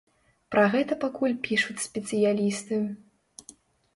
Пра гэта пакуль пішуць спецыялісты.